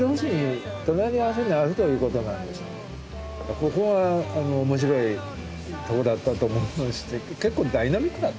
ここは面白いとこだったと思うし結構ダイナミックだった。